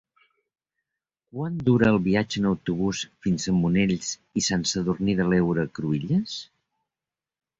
Quant dura el viatge en autobús fins a Monells i Sant Sadurní de l'Heura Cruïlles?